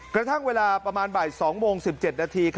กระทั่งเวลาประมาณบ่าย๒โมง๑๗นาที